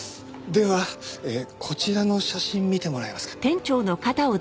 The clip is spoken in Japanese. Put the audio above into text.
ではこちらの写真見てもらえますか？